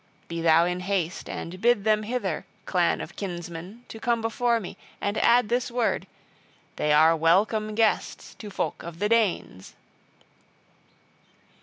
Be thou in haste, and bid them hither, clan of kinsmen, to come before me; and add this word, they are welcome guests to folk of the Danes."